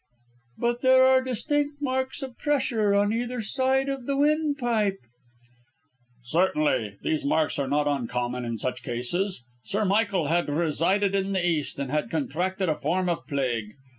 "But there are distinct marks of pressure on either side of the windpipe " "Certainly. These marks are not uncommon in such cases. Sir Michael had resided in the East and had contracted a form of plague.